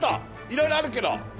いろいろあるけど。